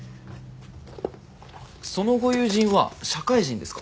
そのご友人は社会人ですか？